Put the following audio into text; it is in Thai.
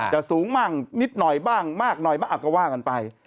แต่สูงมั่งนิดหน่อยบ้างมากหน่อยมาอักว่ากันไป